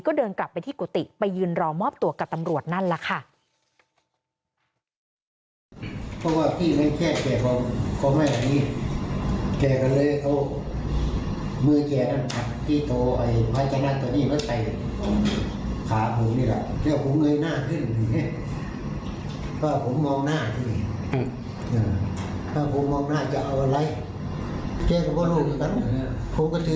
ก็เดินกลับไปที่กุฏิไปยืนรอมอบตัวกับตำรวจนั่นแหละค่ะ